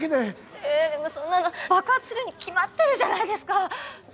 えでもそんなの爆発するに決まってるじゃないですか。